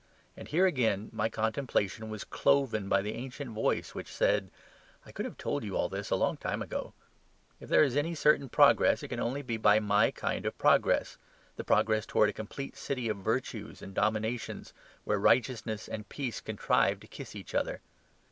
And here again my contemplation was cloven by the ancient voice which said, "I could have told you all this a long time ago. If there is any certain progress it can only be my kind of progress, the progress towards a complete city of virtues and dominations where righteousness and peace contrive to kiss each other.